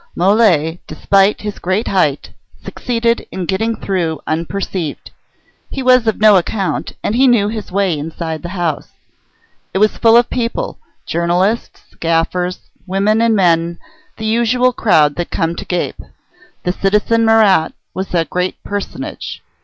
Mole, despite his great height, succeeded in getting through unperceived. He was of no account, and he knew his way inside the house. It was full of people: journalists, gaffers, women and men the usual crowd that come to gape. The citizen Marat was a great personage.